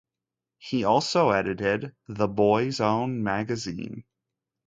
He also edited "The Boys Own Magazine".